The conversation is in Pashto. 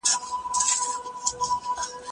دا نان له هغه تازه دی،